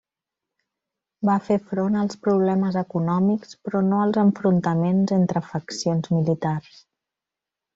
Va fer front als problemes econòmics, però no als enfrontaments entre faccions militars.